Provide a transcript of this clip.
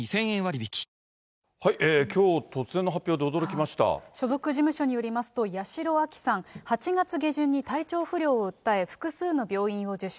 きょう、所属事務所によりますと、八代亜紀さん、８月下旬に体調不良を訴え、複数の病院を受診。